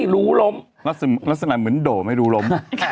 รัศนาเหมือนโด่ไม่รู้หลม